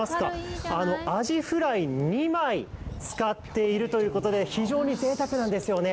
アジフライ２枚使っているということで、非常にぜいたくなんですよね。